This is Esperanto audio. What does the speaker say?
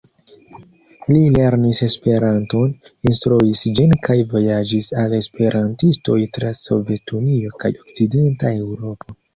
Li lernis Esperanton, instruis ĝin kaj vojaĝis al esperantistoj tra Sovetunio kaj okcidenta Eŭropo.